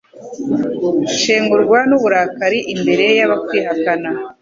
Nshengurwa n’uburakari imbere y’abakwihakana